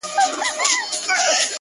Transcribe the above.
چي په مزار بغلان کابل کي به دي ياده لرم؛